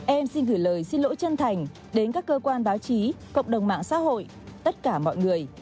em xin gửi lời xin lỗi chân thành đến các cơ quan báo chí cộng đồng mạng xã hội tất cả mọi người